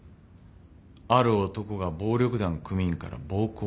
ある男が暴力団組員から暴行を受けた。